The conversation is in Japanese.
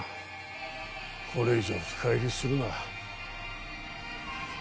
これ以上深入りするな。